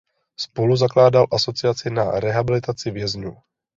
Spoluzakládal asociaci na rehabilitaci vězňů.